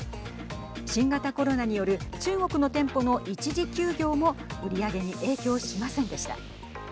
新型コロナによる中国の店舗の一時休業も売り上げに影響しませんでした。